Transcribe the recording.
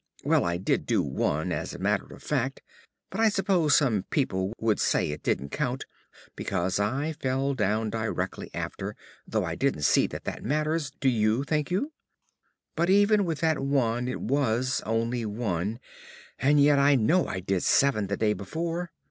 Well, I did do one, as a matter of fact, but I suppose some people would say it didn't count, because I fell down directly after, though I don't see that that matters, do you, Thankyou? But even with that one it was only one, and yet I know I did seven the day before.